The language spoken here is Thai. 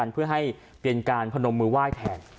เพื่อให้เปลี่ยนการพนมมือว่ายแทน